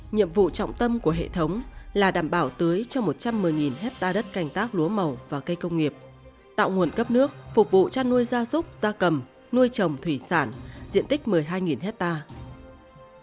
nhiệm vụ trọng tâm của hệ thống là đảm bảo tưới cho một trăm một mươi hectare đất canh tác lúa màu và cây công nghiệp tạo nguồn cấp nước phục vụ chăn nuôi gia súc gia cầm nuôi trồng thủy sản diện tích một mươi hai hectare